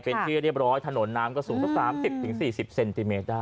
เป็นที่เรียบร้อยถนนน้ำก็สูงสักสามสิบถึงสี่สิบเซนติเมตรได้